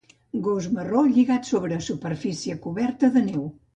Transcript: Gos marró lligat sobre superfície coberta de neu.